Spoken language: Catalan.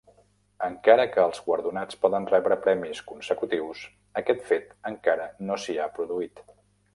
Encara que els guardonats poden rebre premis consecutius, aquest fet encara no s'hi ha produït.